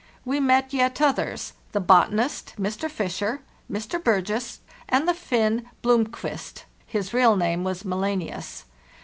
We met yet others—the botanist, Mr. Fisher ; Mr. Burgess, and the Finn Blomqvist (his real name was Melenius).